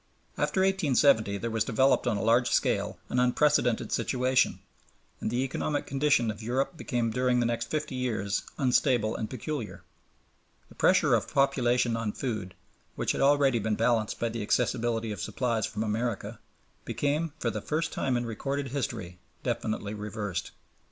After 1870 there was developed on a large scale an unprecedented situation, and the economic condition of Europe became during the next fifty years unstable and peculiar. The pressure of population on food, which had already been balanced by the accessibility of supplies from America, became for the first time in recorded history definitely reversed.